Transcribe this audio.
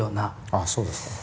あっそうですか。